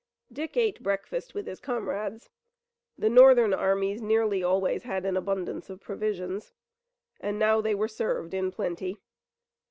Dick ate breakfast with his comrades. The Northern armies nearly always had an abundance of provisions, and now they were served in plenty.